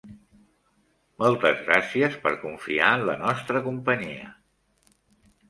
Moltes gràcies per confiar en la nostra companyia.